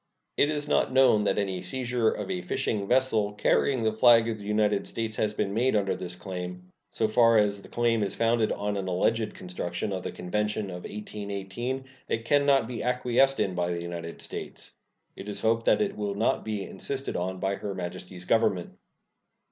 It is not known that any seizure of a fishing vessel carrying the flag of the United States has been made under this claim. So far as the claim is founded on an alleged construction of he convention of 1818, it can not be acquiesced in by the United States. It is hoped that it will not be insisted on by Her Majesty's Government.